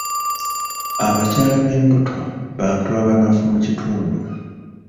Abakyala b'embuto bantu abanafu mu kitundu.